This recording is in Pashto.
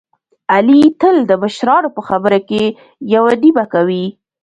علي تل د مشرانو په خبره کې یوه نیمه کوي.